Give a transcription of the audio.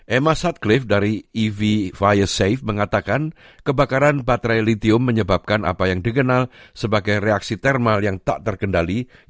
emma sutcliffe dari ev fire safe mengatakan kebakaran baterai litium menyebabkan apa yang dikenal sebagai reaksi termal yang tak terkendali dengan baterai litium